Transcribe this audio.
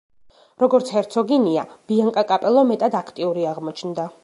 როგორც ჰერცოგინია, ბიანკა კაპელო მეტად აქტიური აღმოჩნდა.